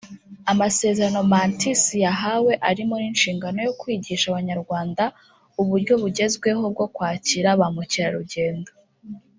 Amasezerano Mantis yahawe arimo n’inshingano yo kwigisha Abanyarwanda uburyo bugezweho bwo kwakira ba mukerarugendo